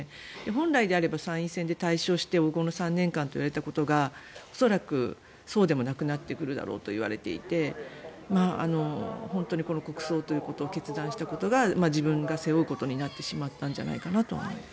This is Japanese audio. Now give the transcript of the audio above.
本来であれば参院選で大勝して黄金の３年間といわれていたことが恐らくそうでもないだろうといわれていて本当にこの国葬ということを決断したことが自分が背負うことになってしまったんじゃないかと。